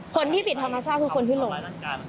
คนที่ผิดธรรมชาติคือคนที่หลง